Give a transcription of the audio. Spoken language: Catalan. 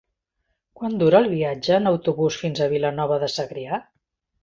Quant dura el viatge en autobús fins a Vilanova de Segrià?